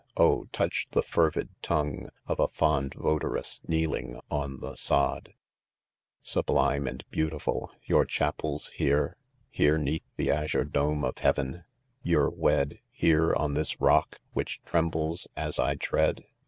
— oh ! touch the fervid tongue Of a food votaress kneeling on the sod* Sublime and beautiful, your chapePs here ?— Here, s neatli the azure dome of heaven, ye're wed— , Here, on this rock, which trembles as I Iread